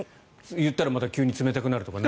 言ったら急に冷たくなるとか。